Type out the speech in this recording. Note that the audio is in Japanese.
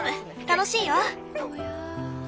楽しいよ。